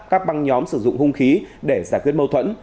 các băng nhóm sử dụng hung khí để giải quyết mâu thuẫn